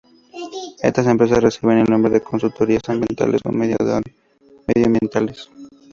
Estas empresas reciben el nombre de Consultorías Ambientales o Medioambientales.